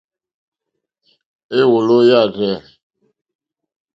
Èwòló yâ rzɛ̂.